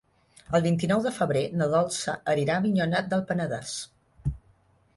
El vint-i-nou de febrer na Dolça anirà a Avinyonet del Penedès.